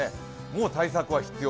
もう対策は必要。